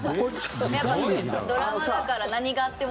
やっぱドラマだから何があっても。